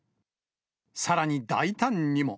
さらに大胆にも。